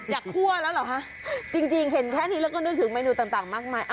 คั่วแล้วเหรอคะจริงเห็นแค่นี้แล้วก็นึกถึงเมนูต่างมากมาย